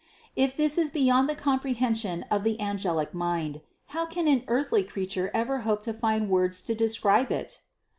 If this is beyond the comprehension of the angelic mind, how can an earthly creature ever hope to find words to describe it